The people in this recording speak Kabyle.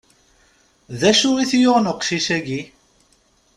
D acu i t-yuɣen uqcic-agi?